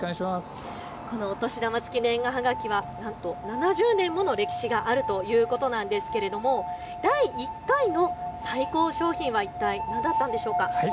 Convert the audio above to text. このお年玉付年賀はがきはなんと７０年もの歴史があるということなんですけれど第１回の最高賞品は一体、何だったんでしょうか。